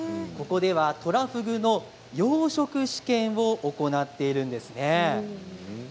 ここではトラフグの養殖試験を行っているんですね。